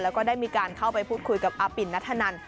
แล้วก็ได้มีการเข้าไปพูดคุยกับอาปิ่นนัทธนัน